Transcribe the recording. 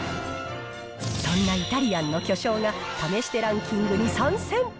そんなイタリアンの巨匠が試してランキングに参戦！